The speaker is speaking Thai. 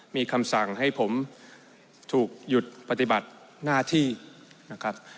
มีคำสั่งให้ผมถูกหยุดปฏิบัติหน้าที่นะครับ